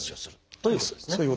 そういうことですね。